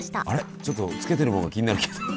ちょっとつけてるものが気になるけど。